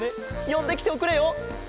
よんできておくれよ。